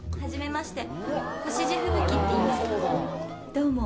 「どうも。